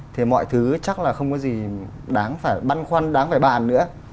thì mọi thứ chắc là không có gì đáng phải băn khoăn đáng phải bàn nữa